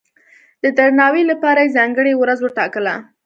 د درناوي لپاره یې ځانګړې ورځ وټاکله.